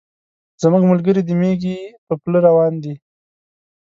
زموږ ملګري د مېږي په پله روان دي.